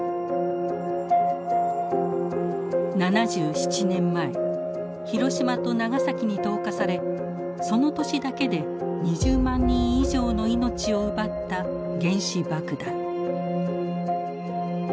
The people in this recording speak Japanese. ７７年前広島と長崎に投下されその年だけで２０万人以上の命を奪った原子爆弾。